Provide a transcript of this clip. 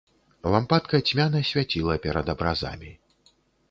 Лампадка цьмяна свяціла перад абразамі.